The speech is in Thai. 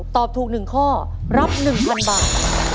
ตอบถูก๑ข้อรับ๑๐๐๐บาท